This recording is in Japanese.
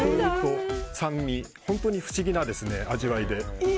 酸味、本当に不思議な味わいで。